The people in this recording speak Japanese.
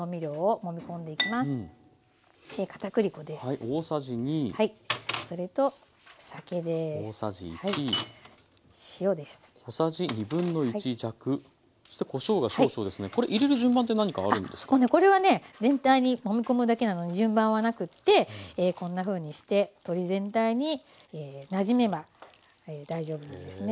もうねこれはね全体にもみ込むだけなので順番はなくてこんなふうにして鶏全体になじめば大丈夫なんですね。